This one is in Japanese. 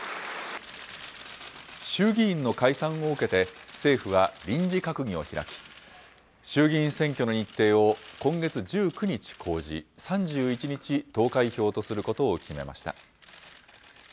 衆議院の解散を受けて、政府は臨時閣議を開き、衆議院選挙の日程を、今月１９日公示、３１日投開票とすることを決めました。